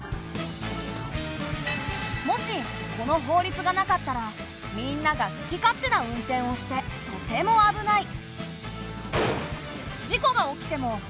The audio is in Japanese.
もしこの法律がなかったらみんなが好き勝手な運転をしてとても危ない。